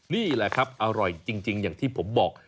นี่แหละครับอร่อยจริงอย่างที่ผมบอก